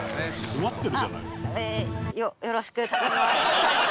「困ってるじゃない」